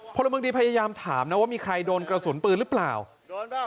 พลเมืองดีพยายามถามนะว่ามีใครโดนกระสุนปืนหรือเปล่า